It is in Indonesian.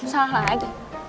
hah salah lagi